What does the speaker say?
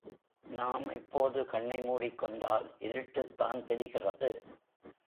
நாம் இப்போது கண்ணை மூடிக் கொண்டால் இருட்டுத்தான் தெரிகிறது.